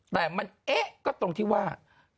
แต่มันเอ๊ะก็ตรงที่ว่า